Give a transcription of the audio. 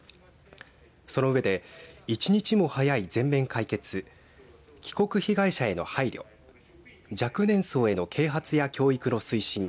その上で一日も早い全面解決帰国被害者への配慮若年層への啓発や教育の推進